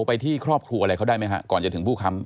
ไปที่ครอบครัวอะไรเขาได้ไหมฮะก่อนจะถึงผู้ค้ำ